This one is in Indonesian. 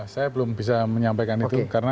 saya belum bisa menyampaikan itu karena